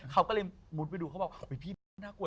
เขาก็เลยมุดไปดูเขาบอกพี่น่ากลัว